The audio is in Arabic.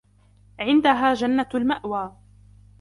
عِندَهَا جَنَّةُ الْمَأْوَى